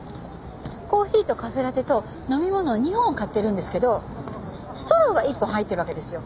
コーヒーとカフェラテと飲み物を２本買ってるんですけどストローが１本入ってるわけですよ。